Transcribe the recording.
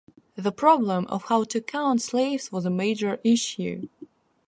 The problem of how to count slaves was a major issue.